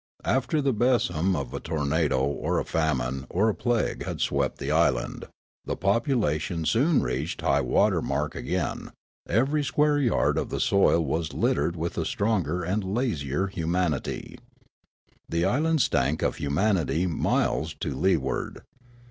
After the besom of a tornado or a famine or a plague had swept the island the population soon reached high water mark again ; every square yard of the soil was littered with a stronger and lazier humanit3\ The island stank of humanity miles to leeward.